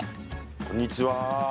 こんにちは。